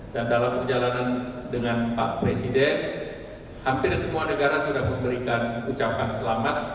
dalam perjalanan dengan pak presiden hampir semua negara sudah memberikan ucapan selamat